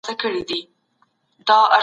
هغه تل د ادب په اړه نوي مقالې لیکي.